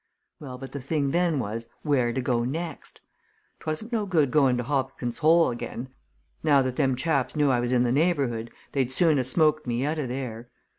Well, but the thing then was where to go next? 'Twasn't no good going to Hobkin's Hole again now that them chaps knew I was in the neighbourhood they'd soon ha' smoked me out o' there.